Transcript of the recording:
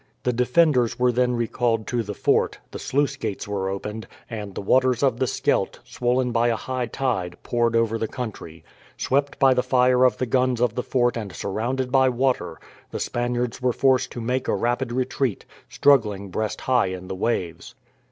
The defenders were then recalled to the fort, the sluice gates were opened, and the waters of the Scheldt, swollen by a high tide, poured over the country. Swept by the fire of the guns of the fort and surrounded by water, the Spaniards were forced to make a rapid retreat, struggling breast high in the waves.